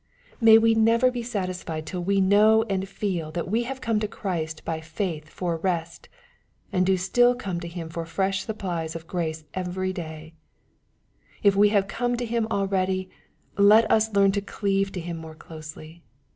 May we never be satisfied till we know and feel that we have come to Christ by faith for rest, and do still come to Him for fresh supplies of grace every day 1 If we have come to Him already, let us learn to cleave to Him more closely.